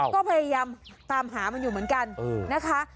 ก็พยายามตามหามันอยู่เหมือนกันนะคะ